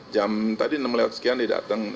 jam tadi enam tiga puluh sekian dia datang